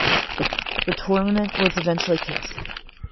The tournament was eventually cancelled.